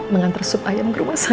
mengantar sup ayam ke rumah sakit